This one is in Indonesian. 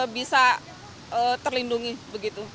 bisa terlindungi begitu